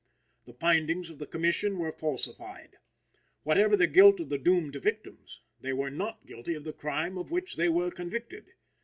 The findings of the Commission were falsified. Whatever the guilt of the doomed victims, they were not guilty of the crime of which they were convicted.